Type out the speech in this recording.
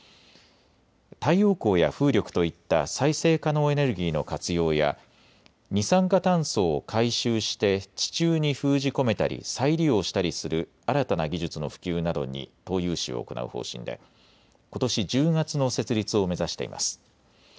太陽光や風力といった再生可能エネルギーの活用や二酸化炭素を回収して地中に封じ込めたり再利用したりする新たな技術の普及などに投融資を行う方針でことし１０月の設立を目指しています。